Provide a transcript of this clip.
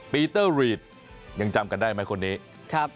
ปีเตอร์วิทยังจำกันได้ไหมคนนี้